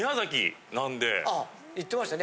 言ってましたね。